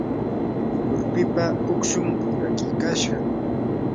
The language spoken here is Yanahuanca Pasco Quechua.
urpipa ukshun rachikashqam.